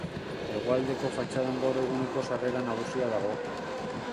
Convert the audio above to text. Hegoaldeko fatxadan gaur eguneko sarrera nagusia dago.